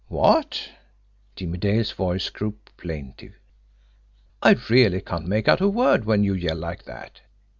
... What?" Jimmie Dale's voice grew plaintive, "I really can't make out a word when you yell like that.